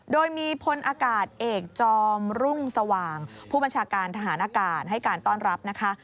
โดยมีพลอากาศเอกจอมรุ่งสว่างผู้บัญชาการทหารอากาศให้การต้อนรับนะคะ